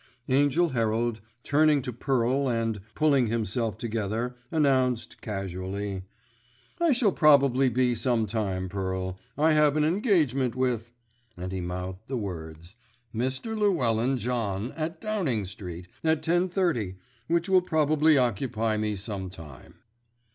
Angell Herald, turning to Pearl and, pulling himself together, announced casually: "I shall probably be some time, Pearl. I have an engagement with"—and he mouthed the words—"Mr. Llewellyn John, at Downing Street, at 10.30, which will probably occupy me some time."